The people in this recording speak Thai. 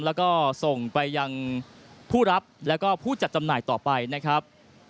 แล้วก็ส่งไปยังผู้รับแล้วก็ผู้จัดจำหน่ายต่อไปนะครับ